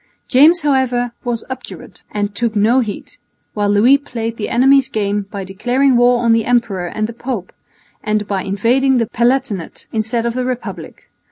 James, however, was obdurate and took no heed, while Louis played his enemy's game by declaring war on the Emperor and the Pope, and by invading the Palatinate instead of the Republic.